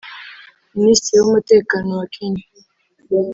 Minisitiri w’umutekano wa Kenya